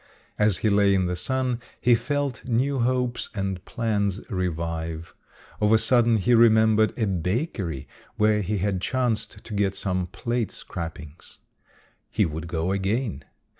As he lay in the sun he felt new hopes and plans revive. Of a sudden he remembered a bakery where he had chanced to get some plate scrapings. He would go again.